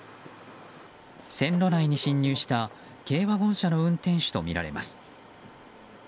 線路内に侵入した軽ワゴン車の運転手とみられます。